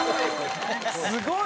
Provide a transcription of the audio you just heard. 「すごい！」